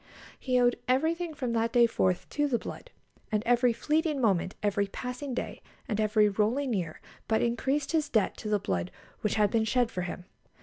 He owed everything from that day forth to the blood, and every fleeting moment, every passing day, and every rolling year but increased his debt to the blood which had been shed for him.